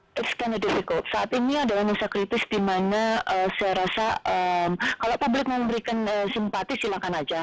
it's kind of difficult saat ini adalah masa kritis di mana saya rasa kalau publik memberikan simpati silahkan aja